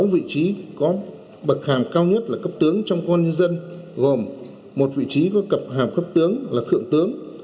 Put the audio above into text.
sáu vị trí có bậc hàm cao nhất là cấp tướng trong công an nhân dân gồm một vị trí có cập hàm cấp tướng là thượng tướng